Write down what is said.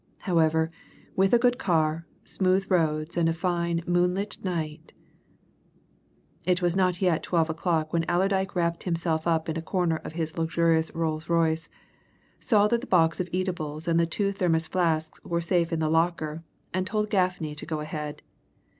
However, with a good car, smooth roads, and a fine, moonlit night It was not yet twelve o'clock when Allerdyke wrapped himself up in a corner of his luxurious Rolls Royce, saw that the box of eatables and the two Thermos flasks were safe in the locker, and told Gaffney to go ahead.